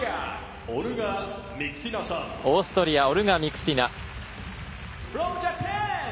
オーストリアオルガ・ミクティナ。